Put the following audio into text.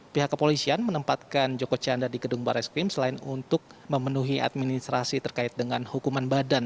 pihak kepolisian menempatkan joko chandra di gedung baris krim selain untuk memenuhi administrasi terkait dengan hukuman badan